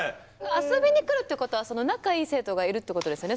遊びに来るってことは、仲いい生徒がいるってことですよね。